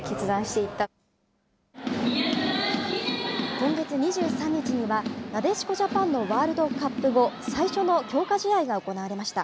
今月２３日には、なでしこジャパンのワールドカップ後、最初の強化試合が行われました。